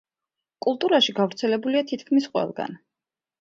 კულტურაში გავრცელებულია თითქმის ყველგან.